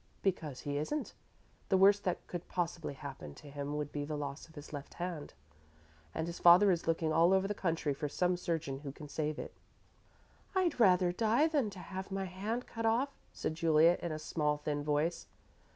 "Because he isn't. The worst that could possibly happen to him would be the loss of his left hand, and his father is looking all over the country for some surgeon who can save it." "I'd rather die than to have my hand cut off," said Juliet, in a small, thin voice.